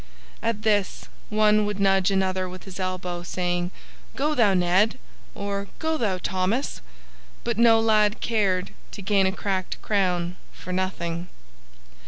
At this, one would nudge another with his elbow, saying, "Go thou, Ned!" or "Go thou, Thomas!" but no lad cared to gain a cracked crown for nothing.